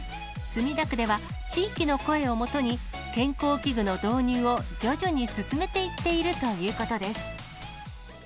墨田区では、地域の声をもとに、健康器具の導入を徐々に進めていっているということです。